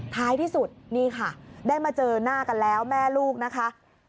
ท้ายที่สุดนี่ค่ะได้มาเจอหน้ากันแล้วแม่ลูกนะคะ